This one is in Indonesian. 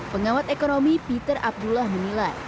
pengamat ekonomi peter abdullah menilai